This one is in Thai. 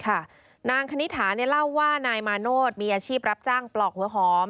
นางคณิตถาเล่าว่านายมาโนธมีอาชีพรับจ้างปลอกหัวหอม